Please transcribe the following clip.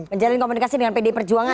menjalin komunikasi dengan pd perjuangan